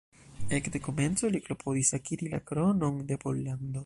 Ekde komenco li klopodis akiri la kronon de Pollando.